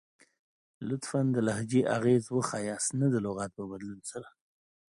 لطفاً ، د لهجې اغیز وښایست نه د لغات په بدلون سره!